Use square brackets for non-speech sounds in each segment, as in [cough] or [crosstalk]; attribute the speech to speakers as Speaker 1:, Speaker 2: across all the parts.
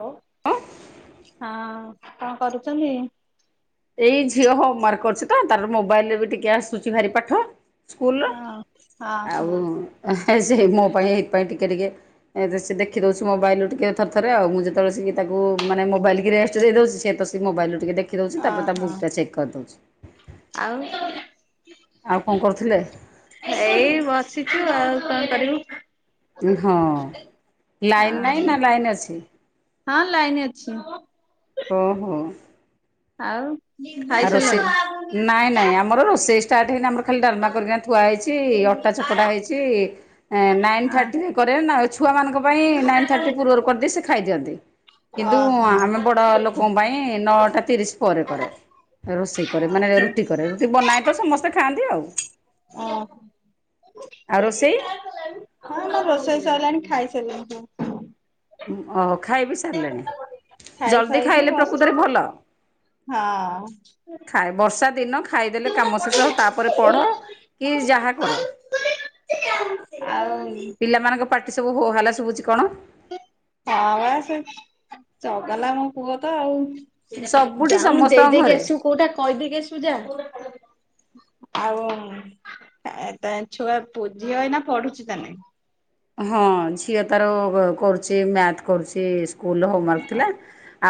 Speaker 1: ହ ହଁ କଣ କରୁଛନ୍ତି?
Speaker 2: ଏଇ ଝିଅ ହୋମ ୱାର୍କ କରୁଛି ତାର ମୋବାଇଲରେ ବି ଟିକେ ଆସୁଛି ଭାରି ପାଠ ସ୍କୁଲ୍ ର
Speaker 1: ହଁ। ହଁ ହଁ।
Speaker 2: ଆଉ ସେ ମୋ ପାଇଁ ଏଇଥିପାଇଁ ଟିକେ ଟିକେ ଏ ସେ ଦେଖି ଦଉଛି ମୋବାଇଲୁ ଟିକେ ଥ ଥରେ ଆଉ ମୁଁ ଯେତେବେଳେ ସେ ତାକୁ ମାନେ ମୋବାଇଲ କି ରେଷ୍ଟ ଦେଇ ଦଉଛି ସେତ ସେ ମୋବାଇଲୁ ଟିକେ ଦେଖି ଦେଉଛି
Speaker 1: ଅ
Speaker 2: ତାପ ତା
Speaker 1: ହଁ।
Speaker 2: ବୁକ୍ ଟା ଚେକ୍ କରିଦଉଛି।
Speaker 1: ଆଉ।
Speaker 2: ଆଉ କଣ କରୁଥିଲେ?
Speaker 1: ଏଇ ବସିଛୁ ଆଉ କଣ କରିବୁ।
Speaker 2: ହଁ ଲାଇନ୍ ନାଇଁ ନା ଲାଇନ୍ ଅଛି?
Speaker 1: ହଁ ଲାଇନ ଅଛି।
Speaker 2: ଓହୋ।
Speaker 1: ଆଉ
Speaker 2: ଆଉ ରୋଷେଇ
Speaker 1: ଖାଇସାରିଲଣି?
Speaker 2: ନାଇଁ ନାଇଁ ଆମର ରୋଷେଇ ଷ୍ଟାର୍ଟ ହେଇନ ଆମର ଖାଲି ଡାଲମା କରିକି ଥୁଆ ହେଇଛି ଅଟା ଚକଡା ହେଇଛି ନାଇନ
Speaker 1: ଅ
Speaker 2: ଥାର୍ଟିରେ କରେ ନା ଛୁଆ ମାନଙ୍କ ପାଇଁ ନାଇନ ଥାର୍ଟି ପୂର୍ବରୁ କରିଦେଇ ସେ ଖାଇ ଦିଅନ୍ତି। କିନ୍ତୁ
Speaker 1: ଓହୋ।
Speaker 2: ଆମେ ବଡ ଲୋକଙ୍କ ପାଇଁ ନଅଟା ତିରିଶ ପରେ କରେ। ରୋଷେଇ କରେ ମାନେ ରୁଟି କରେ ରୁଟି ବନାଏ ତ ସମସ୍ତେ ଖାଆନ୍ତି ଆଉ।
Speaker 1: ଓ
Speaker 2: ଆଉ ରୋଷେଇ?
Speaker 1: ହଁ ମୋର ରୋଷେଇ ସାରିଲାଣି ଖାଇ ସାରିଲାଣି।
Speaker 2: ଓ ଖାଇ ବିି ସାରିଲେଣି
Speaker 1: ଖାଇ
Speaker 2: ଜଲଦି
Speaker 1: ଖୁଆଇକି
Speaker 2: ଖାଇଲେ
Speaker 1: ବସିଛୁ
Speaker 2: ପ୍ରକୃତରେ ଭଲ।
Speaker 1: ହଁ।
Speaker 2: ଖାଇ ବର୍ଷା ଦିନ ଖାଇଦେଲେ କାମ ଶେଷ ତାପରେ ପଢ। କି ଯାହା କର
Speaker 1: ଆଉ
Speaker 2: ପିଲାମାନଙ୍କ ପାଟି ସବୁ ହୋ ହାଲା ଶୁଭୁଛି କଣ?
Speaker 1: ହଁ ବା ସେ ଚଗଲା ମୋ ପୁଅ ତ ଆଉ।
Speaker 2: ସବୁଠି
Speaker 1: ଯାଉନୁ ଦେଇ
Speaker 2: ସମସ୍ତଙ୍କ
Speaker 1: ଦେଇକି
Speaker 2: ଘରେ।
Speaker 1: ଆସିବୁ କୋଉଟା କହିଦେଇକି ଆସିବୁ ଯା। ଆଉ ଛୁଆ ପୁ ଝିଅ ହେନା ପଢୁଛି ତାନେ।
Speaker 2: ହଁ ଝିଅ ତାର କରୁଛି ମ୍ୟାଥ କରୁଛି। ସ୍କୁଲ ର ହୋମୱାର୍କ୍ ଥିଲା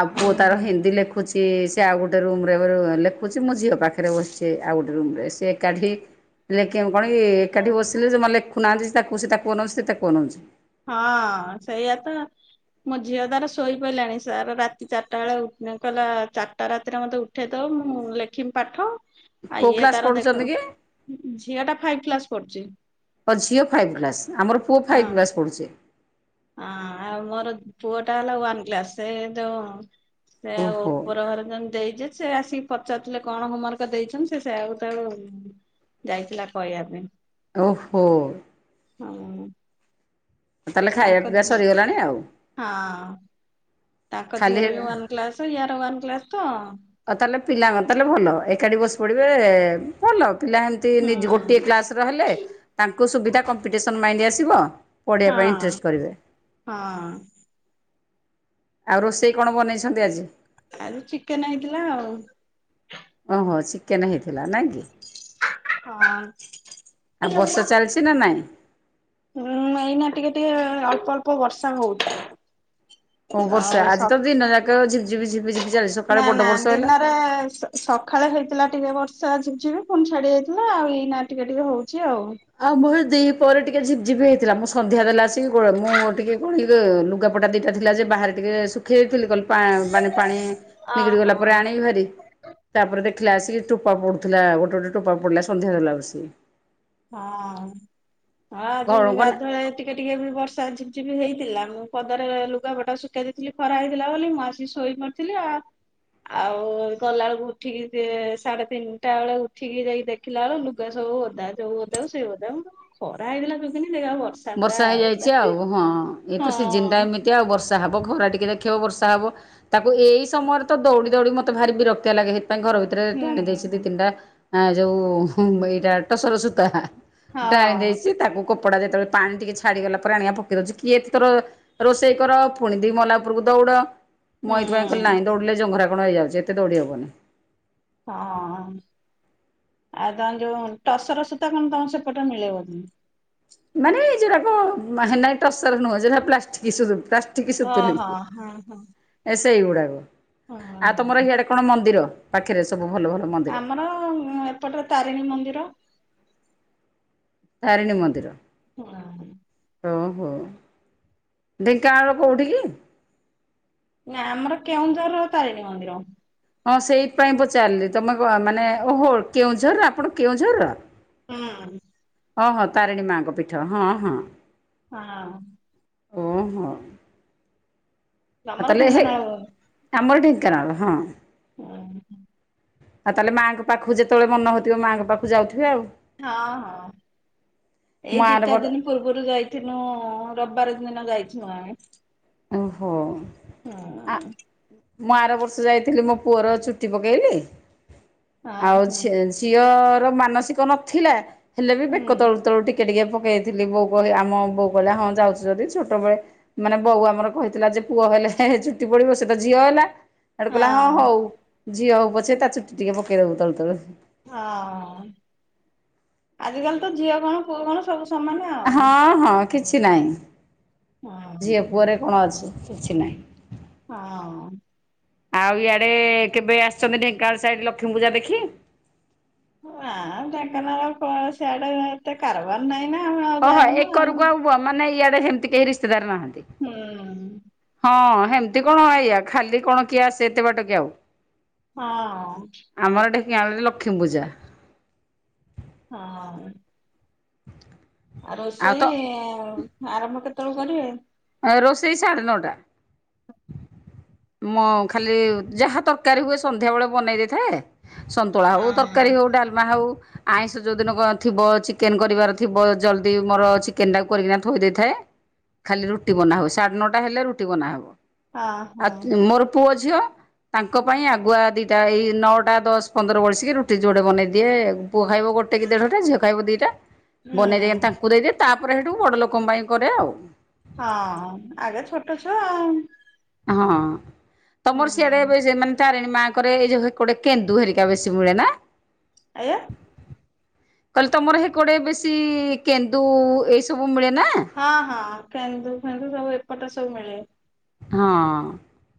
Speaker 2: ଆଉ ପୁଅ ତାର
Speaker 1: ଓହୋ।
Speaker 2: ହିନ୍ଦୀ ଲେଖୁ ଲେଖୁଛି ସେ ଆଉ ଗୋଟେ ରୁମ ରେ ଲେଖୁଛି ମୋ ଝିଅ ପାଖରେ ବସିଛି ଆଉ ଗୋଟେ ରୁମ୍ ରେ ସିଏ ଏକାଠି ଲେଖିମ କଣ ଏ ଏକାଠି ବସିଲ ଯେଉମାନେ ଲେଖୁନାହାନ୍ତି ତା କହୁ ସେ ତା କୁହଉ ସେ ତା କୁହେଉଛି
Speaker 1: ହଁ ସେଇଆ ତ ମୋ ଝିଅ ତାର ଶୋଇ ପରିଲାଣି ସାର ରାତି ଚାରିଟା ବେଳେ ଉଠୁ କହିଲା ଚାରିଟା ରାତିରେ ମତେ ଉ ଉଠେଇ ଦେବ ତ ମୁଁ ଲେଖିମି ପାଠ। ଆଉ
Speaker 2: କୋଉ
Speaker 1: ଇଏ
Speaker 2: କ୍ଲାସ୍
Speaker 1: ତାର ଦେଖ
Speaker 2: ପଢୁଛନ୍ତି କି?
Speaker 1: ଝିଅ ଟା ଫାଇଭ କ୍ଲାସ ପଢୁଛି।
Speaker 2: ହ ଝିଅ ଫାଇଭ୍ କ୍ଲାସ୍ ଆମର ପୁଅ
Speaker 1: ହଁ।
Speaker 2: ଫାଇଭ୍ କ୍ଲାସ୍ ପଡ଼ୁଛି।
Speaker 1: ହଁ ଆଉ ମୋର ପୁଅ ଟା ହେଲା ୱାନ କ୍ଲାସ ସେ ଯୋଉ ସେ ଆଉ
Speaker 2: ଓହୋ
Speaker 1: ଉପର ଘର ଯେ ଦେଇ ଯେ ସେ ଆସିକି ପଚାରୁଥିଲେ କଣ ହୋମୱାର୍କ ଦେଇଛନ୍ତି ସେ ସେ ଆକୁ ତାକୁ ଯାଇଥିଲା କହିବା ପାଇଁ।
Speaker 2: ଓହୋ
Speaker 1: ହଁ
Speaker 2: ଉ ତାହେଲେ ଖାଇବା
Speaker 1: ତାଙ୍କ
Speaker 2: ପିଇବା ସରିଗଲାଣି ଆଉ।
Speaker 1: ତାଙ୍କ ଝିଅ ର ବି
Speaker 2: ଖାଲି
Speaker 1: ୱାନ୍ କ୍ଲାସ ୟାର ୱାନ କ୍ଲାସ ତ
Speaker 2: ଆଉ ତାହେଲେ ପିଲାଙ୍କ ତାହେଲେ ଭଲ ଏକାଠି ବସି ପଡିବେ ଭଲ ପିଲା ଏମତି।
Speaker 1: ହୁଁ
Speaker 2: ଏମିତି ଗୋଟିଏ କ୍ଲାସ ର ହେଲେ ତାଙ୍କୁ ସୁବିଧା କମ୍ପିଟିସନ ମାଇଣ୍ଡ ଆସିବ। ପଢ଼ିବା ପାଇଁ
Speaker 1: ହଁ
Speaker 2: ଇଣ୍ଟରେଷ୍ଟ କରିବେ।
Speaker 1: ହଁ
Speaker 2: ଆଉ ରୋଷେଇ କଣ ବନେଇଛନ୍ତି ଆଜି?
Speaker 1: ଆଉ ଚିକେନ୍ ହେଇଥିଲା ଆଉ,
Speaker 2: ଓହୋ ଚିକେନ୍ ହେଇଥିଲା ନାଇଁ କି
Speaker 1: ହଁ
Speaker 2: ଆଉ ବର୍ଷ ଚାଲିଛି, ସିନା ନାଇଁ?
Speaker 1: ହୁଁ ଏଇନା ଟିକେ-ଟିକେ ଏ ଅଳ୍ପ-ଅଳ୍ପ ବର୍ଷା ହଉଛି,
Speaker 2: ହଁ
Speaker 1: ଆଉ
Speaker 2: ବର୍ଷା ଆଜି ତ ଦିନ ଯାକ ଝିଝିବିଝିବିଝିବି,
Speaker 1: ନା-ନା ଦିନରେ ଆଇଁ ସ ସକାଳେ ହେଇଥିଲା ଟିକେ ବର୍ଷା ଝିପ୍ ଝିପ୍ ପି ପୁଣି ଛାଡି ଯାଇଥିଲା ଆଉ ଏଇନା ଟିକେ-ଟିକେ ହଉଛି ଆଉ,
Speaker 2: ଆଉ ମୁ ଦି ପରେ ଟିକେ ଝିପ୍ ଝିପ୍ ହେଇଥିଲା ମୁଁ ସନ୍ଧ୍ୟା ଦେଲେ ଆସିକି ମୁଁ ଟିକେ କଁ ଲୁଗା, କପଟା ଦିଟା ଥିଲା ଯେ ବାହାରେ ଟିକେ ଶୁଖି ଥିଲୁ ଗଲୁ ପା ମାନେ ପାଣି, ନିିକଡି ଗଲା ପୁରାଣ ବି ଭାରି, ତାପରେ ଦେଖିଲା ଆସିକି ଟୋପା ପଡ଼ୁଥିଲା ଗୋଟେ-ଗୋଟେ ଟୋପା ପଡ଼ିଲା ସନ୍ଧ୍ୟା ହେଲା ବସିକି,
Speaker 1: ହଁ-ହଁ ଆଜି
Speaker 2: ଘର
Speaker 1: ଗାଧୁଆରେ, ଟିକେ-ଟିକେ ବି ବର୍ଷା ଝିପ୍ ଝିପ୍ ହେଇଥିଲା ମୁଁ ପଦାରେ ଲୁଗାପଟା ଶୁଖାଇ ଦେଇଥିଲି ଖରା ହେଇଥିଲା ବୋଲି ମୁଁ ଆସି ଶୋଇ ପଡ଼, ଥିଲେ ଆ, ଆଉ ଗଲାବେଳକୁ ଉଠିକି ସେ ସାଢେ଼ ତିନିଟା ବେଳେ ଉଠିକି ଯାଇି ଦେଖ୍ ଥିଲା ଲୁଗା ସବୁ ଓଦା ଯୋଉ ଓଦା ସେଇ ଓଦା ମୁ କଁ ଖରା ହେଇଥିଲା ସୁଖେଇ ଥିଲି ସେଇ ଆଉ ବର୍ଷ୍
Speaker 2: ବର୍ଷା ହେଇଯାଇଛି ଆଉ ହଁ ଏଇ ତ ସିଜିନ୍ ଟା ଏମିତ୍ ତି ଆଉ ବର୍ଷା ହେବ ଖରା ଟିକେ ଦେଖିବ ବର୍ଷା ହେବ, ତାକୁ ଏଇ ସମୟରେ ତ ଦୌଡ଼ି-ଦୌଡ଼ି ମତେ ଭାରି ବିରକ୍ତିଆ ଲାଗେ ସେଇଥି ପାଇଁ ଘର ଭିତ୍ ରେ ଟାଣି ଦେଇଛି ଦି
Speaker 1: ହୁଁ।
Speaker 2: ତିନିଟା ଆଉ ଯୋଉ ଏଇଟା ଟସର ସୂତା ହାଁ, ଟଡାଣି
Speaker 1: ହଁ
Speaker 2: ଦେଇଛି ତାକୁ କପଡା ଯେତେବେଳେ ପାଣି ଟିକେ ଛାଡିଗଲା ପରେ ଆଣିବା ପକେଇ ଦଉଛି କିଏ ଏ ତୋର, ରୋଷେଇ କର ପୁଣି ଦି ମହଲା ଉପରକୁ ଦୌଡ଼, ମୁଁ
Speaker 1: ହୁଁ
Speaker 2: ଏଇଥିପାଇଁ କହିଲି ନାଇଁ ଦୈଡ଼ି ଲେ ଯୋଉ ଘରା କଣ ହେଇଯାଉଛି ଏତେ ଦୈଡି଼ ହେବ ନାହିଁ,
Speaker 1: ହଁ ଆଉ ଆମ ଯୋଉ ଟସର ସୂତା କଣ ତମ ସେପଟେ ମିଳେ ବୋଧେ,
Speaker 2: ମାନେ ଯଟାକ ମାହାନା ଟସର ନୁହଁଟା ପ୍ଲାଷ୍ଟିକ ସୂତା, ଠିକି
Speaker 1: ଓହୋ
Speaker 2: [unintelligible]
Speaker 1: ହଁ ହଁ।
Speaker 2: ଏ ସେଇ ଗୁଡ଼ାକ ଆ ତମର
Speaker 1: ହଁ
Speaker 2: ଇଆଡ଼େ, କଣ ମନ୍ଦିର ପାଖରେ ସବୁ ଭଲ-ଭଲ?
Speaker 1: ଆମର ଏପଟେ ତାରିଣୀ ମନ୍ଦିର,
Speaker 2: ତାରିଣୀ ମନ୍ଦିର,
Speaker 1: ହଁ,
Speaker 2: ଓହୋ ଢେଙ୍କାନାଳର କେଉଁଠିକି?
Speaker 1: ନା ଆମର କେଉଁ ଝରତାରିଣୀ ମନ୍ଦିର,
Speaker 2: ହଁ ସେଇପାଇଁ ପଚାରିଲି ତମେ ମାନେ ଓହୋ କେଉଁଝର ଆପଣ କେଉଁଝର?
Speaker 1: ହୁଁ,
Speaker 2: ଓ ହଁ ତାରିଣୀ ମାଆଙ୍କ ପୀଠ ହଁ-ହଁ,
Speaker 1: ହଁ,
Speaker 2: ଓ ହଁ, ଆଉ
Speaker 1: ତମର
Speaker 2: ତାହଲେ ସେ
Speaker 1: ଢେଙ୍କାନାଳ ବୋଧେ?
Speaker 2: ଆମର ଢେଙାନାଳ ହଁ,
Speaker 1: ହୁଁ,
Speaker 2: ଆଉ ତାହେଲେ ମାଙ୍କ ପାଖକୁ ଯେତେବେଳେ ମନ ହଉଥିବ ମାଆଙ୍କ ପାଖକୁ ଯାଉଥିବେ ଆଉ,
Speaker 1: ହଁ-ହଁ ଏଇ
Speaker 2: ମୁଁ ଆର
Speaker 1: ବିଚାରି
Speaker 2: ବର୍
Speaker 1: ଦିନି, ପୂର୍ବରୁ ଯାଇଥିଲୁ ରବିବାର ଦିନ ଯାଇଥିଲୁ ଆମେ,
Speaker 2: ଓହୋ
Speaker 1: ହଁ
Speaker 2: ଆ ମୁଁ ଆର ବର୍ଷ ଯାଇଥିଲି ମୋ ପୁଅର ଚୁଟି ପକେଇଲି
Speaker 1: ହଁ
Speaker 2: ଆଉ
Speaker 1: ହଁ
Speaker 2: ଛେସ୍ ଝିଅର ମାନସିକ ନଥିଲା ହେଲେ ବି ବେକ
Speaker 1: ହୁଁ।
Speaker 2: ତଳୁ-ତଳୁ ଟିକ୍ କେ ଟିକେ ପକେଇଥିଲି ବୋଉ କହେ ଆମ ବୋଉ କଇଲା ହଁ ଯାଉଛି ଯଦି ଛୋଟବେେଳେ ମାନେ ବୋଉ ଆ ଆମର କହିଥିଲା ଯେ ପୁଅ ହେଲେ ହେ ଚୁଟି ପଡିବ ସେ ତ ଝିଅ ହେଲା ହେଟୁ କଲା ହଁ ହୋଉ ଝିଅ ହୋଉ ପଛେ ତା ଚୁଟି ଟିକେ ପକେଇଦବୁ ତଳୁ ତଳୁ।
Speaker 1: ହଁ ଆଜିକାଲି ତ ଝିଅ କଣ ପୁଅ କଣ ସବୁ ସମାନେ ଆ
Speaker 2: ହଁ ହଁ କିଛି ନାଇଁ
Speaker 1: ହଁ
Speaker 2: ଝିଅ ପୁଅରେ କଣ ଅଛି, କିଛି ନାଇଁ।
Speaker 1: ହଁ।
Speaker 2: ଆଉ ଇଆଡ଼େ-ଏ କେବେ ଆସିଚନ୍ତି ଢେଙ୍କାଳ ସାଇଡ଼ ଲକ୍ଷ୍ମୀ ପୂଜା ଦେଖି?
Speaker 1: ନାଁ ଢେଙ୍କାନାଳ କଁ ସିଆଡେ ଏତେ କାରବାର ନାଇଁ ନା ଆମେ ଆଉ ଯାଇନୁ ଆଉ।
Speaker 2: ପୁଅ ମାନେ ଇଆଡେ ହେମ୍ତି କେହି ରିସ୍ତେଦାର ନାହାନ୍ତି।
Speaker 1: ହୁଁ।
Speaker 2: ହଁ ହେମ୍ତି କଣ ଏଇଆ ଖାଲି କଣ କିଏ ଆସେ ଏତେ ବାଟ କି ଆଉ?
Speaker 1: ହଁ-ଅ।
Speaker 2: ଆମର ଢେଙ୍କିଆଳରେ ଲକ୍ଷ୍ମୀପୂଜା।
Speaker 1: ହଁ-ଅ। ଆ
Speaker 2: ଆଉ ତ
Speaker 1: ରୋଷେଇ-ଇ ଆରମ୍ଭ କେତଳୁ କରିବେ?
Speaker 2: ଏ ରୋଷେଇ ସାଢ଼େ ନଅଟା। ମୋ ଖାଲି ଯାହା ତରକାରୀ ହୁଏ ସନ୍ଧ୍ୟାବେଳେ ବନେଇ ଦେଇଥାଏ। ସନ୍ତୁଳା
Speaker 1: ହଁ।
Speaker 2: ହୋଉ, ତର୍କାରୀ ହୋଉ, ଡାଲ୍ମା ହୋଉ ଆଇଁଷ ଯୋଉଦିନ କ ଥିବ ଚିକେନ୍ କରିବାର ଥିବ ଜଲ୍ଦି ମୋର ଚିକେନ୍ଟାକୁ କରିକିନା ଥୋଇ ଦେଇଥାଏ। ଖାଲି ରୁଟି ବନା ହୁଏ, ସାଢେ ନଅଟା ହେଲେ ରୁଟି ବନାହବ,
Speaker 1: ହଁ ହଁ
Speaker 2: ଆଉ ମୋର ପୁଅ ଝିଅ ତାଙ୍କ ପାଇଁ ଆଗୁଆ ଦିଟା ଏଇ ନଅଟା ଦଶ ପନ୍ଦର ବଳସିକି ରୁଟି ଯୋଡେ ବନେଇ ଦିଏ-ଏ। ପୁଆ ଖାଇବ ଗୋଟେ କି ଦେଢଟା ଝିଅ ଖାଇବ ଦିଟା। ବନେଇ ଦେଇକା
Speaker 1: ହୁଁ
Speaker 2: ତାଙ୍କୁ ଦେଇଦିଏ, ତାପରେ ହେଟୁ ବଡ ଲୋକଙ୍କ ପାଇଁ କରେ ଆଉ।
Speaker 1: ହଁ ଆଗେ ଛୋଟ ଛୁଆ ଆଉ।
Speaker 2: ହଁ ତମର ସିଆଡେ
Speaker 1: ହୁଁ
Speaker 2: ଏବେ ଯେ ମା ତାରିଣୀ ମାଆଙ୍କରେ ଏ ଯୋଉ ହେପଟେ କେନ୍ଦୁ ହେରିକା ବେଶୀ ମିଳେ ନା?
Speaker 1: ଆଜ୍ଞା।
Speaker 2: କଲି ତମର ହେକଡେ ବେଶୀ-ଇ କେନ୍ଦୁ-ଉ ଏଇ ସବୁ ମିଳେ ନା?
Speaker 1: ହଁ ହଁ କେନ୍ଦୁ ଫେନ୍ଦୁ ସବୁ ଏପଟରେ ସବୁ ମିଳେ।
Speaker 2: ହଁ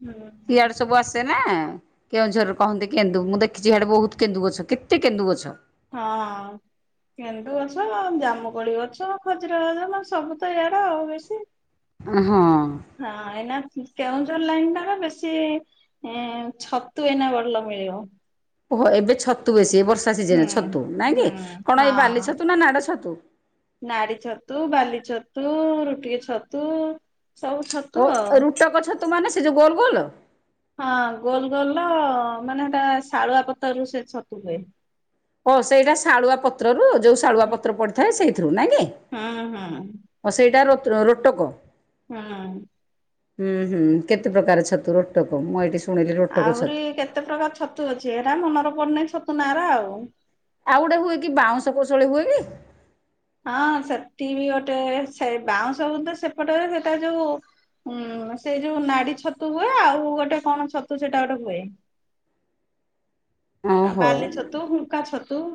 Speaker 1: ହୁଁ
Speaker 2: ଇଆଡେ ସବୁ ଆସି ସେ ନା କେଉଁଝରରେ କହନ୍ତି କେନ୍ଦୁ ମୁଁ ଦେଖିଚି ହାଡେ ବୋହୁତ କେନ୍ଦୁ ଗଛ, କେତେ କେନ୍ଦୁ ଗଛ।
Speaker 1: ହଁ। କେନ୍ଦୁ ଗଛ-ଅ ଜାମୁକୋଳି ଗଛ ଖଜୁର ଅଜ ସବୁ ତ ଇଆଡେ ଆଉ ବେଶୀ।
Speaker 2: ଏ ହଁ।
Speaker 1: ହଁ ଏଇନା କେଉଁଝର ଲାଇନ୍ ଟାରେ ବେଶୀ-ଇ ଏଁ ଛତୁ ଏଇନା ବଲ ମିଳିବ।
Speaker 2: ଓହୋ ଏବେ ଛତୁ ବେଶି ଏ ବର୍ଷା
Speaker 1: ହୁଁ
Speaker 2: ସିଜନ ଛତୁ ନାଁ
Speaker 1: ହୁଁ।
Speaker 2: କି, କଣ ଏଇ ବାଲି
Speaker 1: ହଁ
Speaker 2: ଛତୁ ନା ନାଡ ଛତୁ?
Speaker 1: ନାଡି ଛତୁ, ବାଲି ଛତୁ-ଉ, ରୁଟିକି ଛତୁ ସବୁ ଛ
Speaker 2: ଓ ରୁଟକ ଛତୁ ମାନେ ସେ ଯୋଉ ଗୋଲ ଗୋଲ?
Speaker 1: ହଁ ଗୋଲ ଗୋଲର-ଅ ମାନେ ସେଟା ଶାଳୁଆ ପତରରୁୁ ସେ ଛତୁ ହୁଏ‌।
Speaker 2: ଓ ସେଇଟା ଶାଳୁଆ ପତ୍ରରୁ ଯୋଉ ଶାଳୁଆ ପତ୍ର ପଡିଥାଏ ସେଇଥିରୁ ନାଇଁ କି?
Speaker 1: ହୁଁ ହୁଁ।
Speaker 2: ଓ ସେଇଟା ରୋତ୍ ରୋଟକ।
Speaker 1: ହଁ [inaudible]
Speaker 2: ଉଁ ହୁଁ କେତେ ପ୍ରକାର ଛତୁ ରୋଟକ ମୁଁ ଏଇଠି ଶୁ
Speaker 1: ଆହୁରି କେତେ ପ୍ରକାର ଛତୁ ଅଛି ଏରା ମନର ପଡୁନି ଛତୁ ନାଁ ରା ଆଉ।
Speaker 2: ଆଉ ଗୋଟେ ହୁଏ କି ବାଉଁଶ କୋଶଳୀ ହୁଏ କି?
Speaker 1: ହଁ ସେଠି ବିି ଗୋଟେ ସେ ବାଉଁଶ ବୁଦା ସେପଟରେ ସେଟା ଯୋଉ ହୁଁ ସେଇ ଯୋଉ ନାଡି ଛତୁ ହୁଏ ଆଉ ଗୋଟେ କଣ ଛତୁ ସେଟା ଗୋଟେ ହୁଏ। ଆଉ
Speaker 2: ଓହୋ
Speaker 1: ବାଲି ଛତୁ ହୁଙ୍କା ଛତୁ।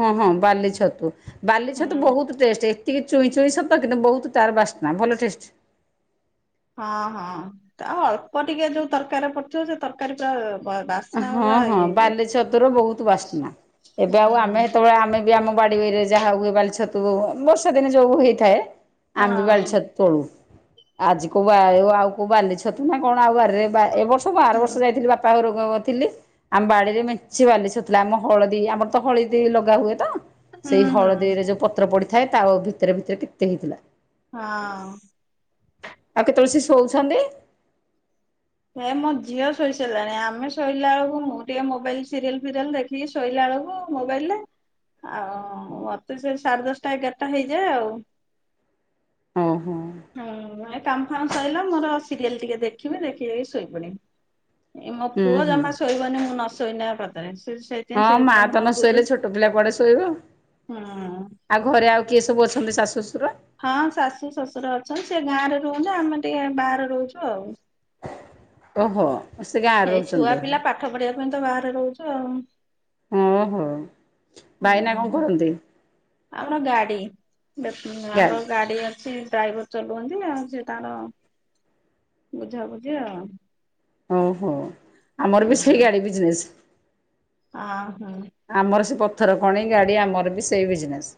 Speaker 2: ହଁ ହଁ ବାଲି ଛତୁ ବାଲି
Speaker 1: ହୁଁ
Speaker 2: ଛତୁ ବୋହୁତ ଟେଷ୍ଟେ ଏତିକି ଚୁଇଁ ଚୁଇଁ ସତ କିନ୍ତୁ ବହୁତ ତାର ବାସନା ଭଲ ଟେଷ୍ଟ।
Speaker 1: ହଁ ହଁ ଆଉ ଅଳ୍ପ ଟିକେ ଯୋଉ ତରକାରୀରେ ପଡଥିବ ସେ ତରକାରୀ ପୁରା ଵା
Speaker 2: ହଁ ହଁ ବାଲି ଛତୁର ବୋହୁତ ବାସ୍ନା ଏବେ
Speaker 1: ହୁଁ
Speaker 2: ଆଉ ଆମେ ହେତୋବେଳେ ଆମେ ଆମ ବାଡିରେ ଯାହା ହୁଏ ବାଲି ଛତୁ ବର୍ଷା ଦିନେ ଯୋଉ ହେଇଥାଏ ଆମେ ବି
Speaker 1: ହଁ
Speaker 2: ବାଲିଛତୁ
Speaker 1: ହୁଁ
Speaker 2: ତୋଳୁ ଆଜି କୋଉ ଆଉ କୋଉ ବାଲିଛତୁ ନା କଣ ଆଉ ବାରିରେ ଏ ବର୍ଷ ସବୁ ଆର ବର୍ଷ ଯାଇଥିଲି ବାପା ଘରକୁ। ଥିଲି ଆମ ବାଡିରେ ମେଞ୍ଚେ ବାଲି ଛତୁ ଥିଲା ଆମ ହଳଦୀ ଆମର ତ ହଳଦୀ ଲଗା ହୁଏ ତ।
Speaker 1: ହୁଁ
Speaker 2: ସେଇ
Speaker 1: ହୁଁ
Speaker 2: ହଳଦୀରେ ଯୋଉ ପତ୍ର ପଡିଥାଏ ତା ଭିତରେ ଭିତରେ କେତେ ହେଇଥିଲା।
Speaker 1: ହଁ।
Speaker 2: ଆଉ କେତେବେଳେ ସେ ଶୋଉଛନ୍ତି?
Speaker 1: ହେ ମୋ ଝିଅ ଶୋଇ ସାରିଲାଣି ଆମେ ଶୋଇଲା ଓଳକୁ ମୁଁ ଟିକେ ମୋବାଇଲ୍ ସିରିଏଲ୍ ଫିରିଏଲ୍ ଦେଖେ। ଟିକେ ଶୋଇଲାା ବେଳକୁ ମୋବାଇଲ୍ ରେ। ଆଉ ମତେ ସେ ସାଢେ ଦଶଟା ଏଗାରଟା ହେଇଯାଏ ଆଉ।
Speaker 2: ହଁ ହଁ।
Speaker 1: ହୁଁ କାମ ଫାମ ସରିଲା ମୋର ସିରିଏଲ୍ ଟିକେ ଦେଖିବି ଦେଖିଦେଇକି ଶୋଇପଡିମି। ଏ ମୋ
Speaker 2: ହୁଁ
Speaker 1: ପୁଅ
Speaker 2: ହୁଁ।
Speaker 1: ଜମା ସୋଇବନି ମୁଁ ନ ସୋଇନେ ତା ପା ସେ ସେ
Speaker 2: ହଁ
Speaker 1: ସେ
Speaker 2: ମା ତ
Speaker 1: ହଣ
Speaker 2: ନ ଶୋଇଲେ
Speaker 1: ଭୁଲ
Speaker 2: ଛୋଟ ପିଲା କୁଆଡେ ଶୋଇବ।
Speaker 1: ହୁଁ [unintelligible]
Speaker 2: ଆଉ ଘରେ ଆଉ କିଏ ସବୁ ଅଛନ୍ତି ଶାଶୁ ଶଶୁର?
Speaker 1: ହଁ ଶାଶୁ ଶଶୁର ଅଛନ୍ତି ସେ ଗାଁରେ ରୁହନ୍ତି ଆମେ ଟିକେ ବାହାରେ ରହୁଛୁ ଆଉ।
Speaker 2: ଓହୋ। ସେ ଗାଁରେ
Speaker 1: ଏଇ ଛୁଆ
Speaker 2: ରହୁଛନ୍ତି
Speaker 1: ପିଲା ପାଠ ପଢିବା ପାଇଁ ତ ବାହାରେ ରହୁଛୁ ଆଉ।
Speaker 2: ଓ ହୋ
Speaker 1: ହୁଁ
Speaker 2: ଭାଇନା କଣ କରନ୍ତି?
Speaker 1: ଆମର ଗାଡି ଆମର
Speaker 2: ଗାଡ଼ି
Speaker 1: ଗାଡି ଅଛି ଡ୍ରାଇଭର୍ ଚଲୁ ଅନ୍ତି ଆଉ ସିଏ ତାର ବୁଝାବୁଝି ଆଉ।
Speaker 2: ଓହୋ ଆମର ବି ସେଇ ଗାଡି ବିଜନେସ୍।
Speaker 1: ଅ ହୋଁ।
Speaker 2: ଆମର ସେ ପଥର ଖଣି ଗାଡି ଆମର ବି ସେଇ ବିଜନେସ୍।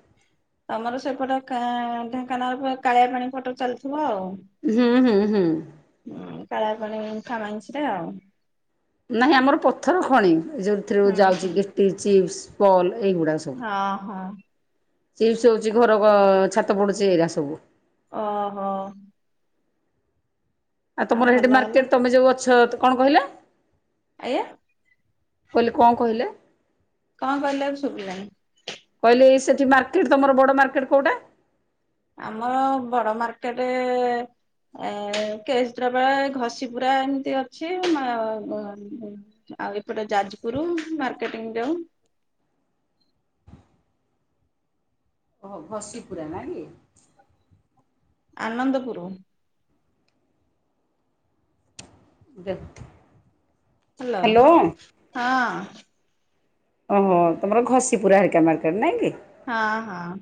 Speaker 1: ତମର ସେପଟେ କା ଢେଙ୍କାନାଳ କାଳିଆ ପାଣି ପଟ ଚାଲିଥିବ ଆଉ।
Speaker 2: ହୁଁ ହୁଁ ହୁଁ।
Speaker 1: ହୁଁ କାଳିଆ ପାଣି ଇମ୍ଫା ମାଇନସ୍ ରେ ଆଉ।
Speaker 2: ନାହିଁ ଆମର ପଥର ଖଣି ଯୋଉଥିରେ
Speaker 1: ହୁଁ
Speaker 2: ଯାଉଛି
Speaker 1: ହୁଁ
Speaker 2: ଗେଟି ଚିପ୍ସ ପଲ୍ ଏଇଗୁଡା ସବୁ।
Speaker 1: ହଁ ହଁ।
Speaker 2: ଚିପ୍ସ ହୋଉଛି ଘର ଛାତ ପଡୁଛି ଏଇରା ସବୁ।
Speaker 1: ଅହୋ।
Speaker 2: ଆଉ ତମର ହେଠି
Speaker 1: ଭଲ ହେଲା
Speaker 2: ମାର୍କେଟ୍ ତମେ ଯୋଉ ଅଛ କଣ କହିଲ?
Speaker 1: ଆଜ୍ଞା।
Speaker 2: କହିଲେ କଣ କହିଲେ?
Speaker 1: କଣ କହିଲ ଏବ୍ ଶୁଭିଲାନି।
Speaker 2: କହିଲି ସେଠି ମାର୍କେଟ ତମର ବଡ ମାର୍କେଟ କୋଉଟା?
Speaker 1: ଆମର ବଡ ମାର୍କେଟେ ଏ [unintelligible] ଘଷି ପୁରା ଏମିତି ଅଛି ମା ବା ଆଉ ଏପଟେ ଯାଜପୁର ମାର୍କେଟିଂ ଯାଉ
Speaker 2: ଓହୋ ଘସି ପୁରା ନା କି?
Speaker 1: ଆନନ୍ଦପୁର।
Speaker 2: ଦେ
Speaker 1: ହ୍ୟାଲୋ ହଁ।
Speaker 2: ଓହୋ ତମର ଘଷିପୁରା ହେକା ମାର୍କେଟ ନାଇଁ କି?
Speaker 1: ହଁ ହଁ।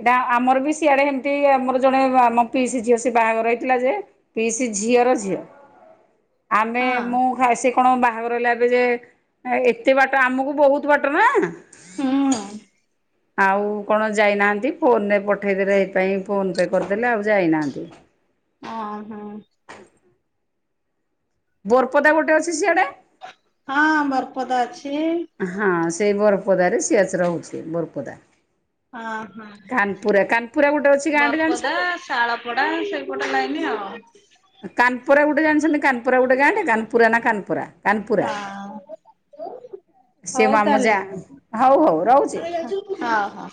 Speaker 2: ଏଇଟା ଆମର ବି ସିଆଡେ ହେମିତି ଆମର ଜଣେ ଆମ ପିସି ଝିଅ ସେ ବାହାଘର ହେଇଥିଲା ଯେ ପିଇସି ଝିଅରଝିଅ।
Speaker 1: [inaudible]
Speaker 2: ଆମେ ମୁଁ ଖାସି ଆପଣ ବାହାଘର ହେଲେ ଏବେ ଯେ ଏତେ ବାଟ ଆମକୁ ବହୁତ ବାଟ ନା
Speaker 1: ହୁଁ।
Speaker 2: ଆଉ କଣ ଯାଇନାହାନ୍ତି ଫୋନରେ ପଠେଇଦେଲେ ଏଇପାଇ ଫୋନ ପେ କରିଦେଲେ ଆଉ ଯାଇନାହାନ୍ତି।
Speaker 1: ଓ ହୁଁ।
Speaker 2: ବୋରପଦା ଗୋଟେ ଅଛି ସିଆଡେ
Speaker 1: ହଁ ବରପଦା ଅଛି।
Speaker 2: ହଁ ସେଇ ବରପଦାରେ ସି ଆସି ରହୁଛି ବରପଦା
Speaker 1: ହଁ ହଁ
Speaker 2: କାନପୁରା କାନପୁରା ଗୋଟେ ଅଛି ଗାଁ ଟେ ଜାଣିଛନ୍ତି?
Speaker 1: ଶଳପଡା ସେ ପଟ ଲାଇନି ଆଉ
Speaker 2: କାନପୁରା ଗୋଟେ ଜାଣିଛନ୍ତି କାନପୁରା ଗୋଟେ ଗାଆଁଟେ କାନପୁରା ନା କାନପୁରା କାନପୁରା
Speaker 1: ହଁ
Speaker 2: ସିଏ
Speaker 1: ହଉ ତାହେଲେ।
Speaker 2: ମାମୁଜା ହଉ ହଉ ରହୁଛି।
Speaker 1: ହଁ ହଁ।